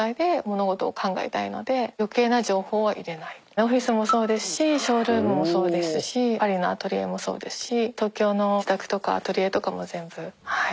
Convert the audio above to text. オフィスもそうですしショールームもそうですしパリのアトリエもそうですし東京の自宅とかアトリエとかも全部はい。